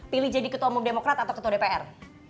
pilih jadi ketua umum demokrat atau ketua dpr